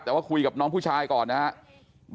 แต่ว่าคุยกับน้องผู้ชายก่อนนะครับ